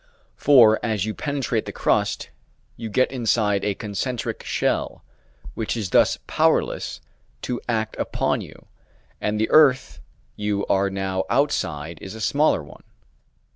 For as you penetrate the crust you get inside a concentric shell, which is thus powerless to act upon you, and the earth you are now outside is a smaller one.